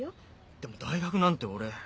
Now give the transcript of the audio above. でも大学なんて俺。